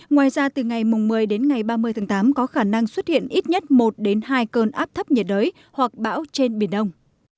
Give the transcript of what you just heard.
ngoài ra từ ngày một mươi đến ngày ba mươi tháng tám có khả năng xuất hiện ít nhất một hai cơn áp thấp nhiệt đới hoặc bão trên biển đông